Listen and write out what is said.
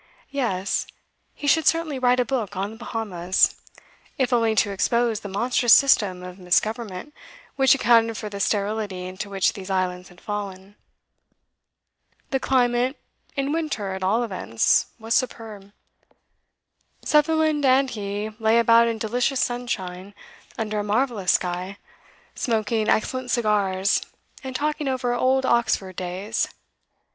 Yes, he should certainly write a book on the Bahamas, if only to expose the monstrous system of misgovernment which accounted for the sterility into which these islands had fallen. The climate, in winter at all events, was superb. Sutherland and he lay about in delicious sunshine, under a marvellous sky, smoking excellent cigars, and talking over old Oxford days.